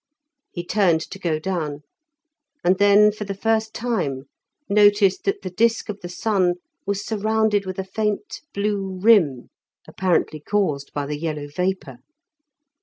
He turned to go down, and then for the first time noticed that the disk of the sun was surrounded with a faint blue rim, apparently caused by the yellow vapour.